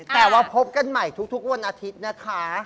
แต่ว่าพบกันใหม่ทุกวันอาทิตย์นะคะ